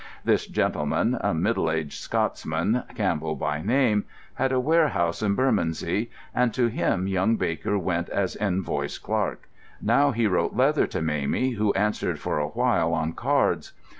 This gentleman, a middle aged Scotsman, Campbell by name, had a warehouse in Bermondsey, and to him young Baker went as invoice clerk. Now he wrote leather to Mamie, who answered for a while on cards.